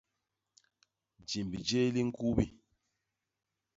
Jimb jé li ñkubi.